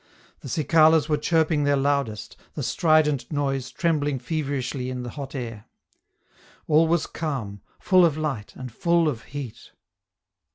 The cicalas were chirping their loudest, the strident noise trembling feverishly in the hot air. All was calm, full of light and full of heat.